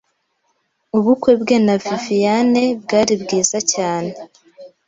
ubukwe bwe na Viviane bwari bwiza cyane.